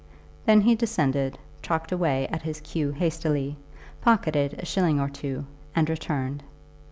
Then he descended, chalked away at his cue hastily, pocketed a shilling or two, and returned.